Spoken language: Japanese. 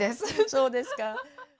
そうですか。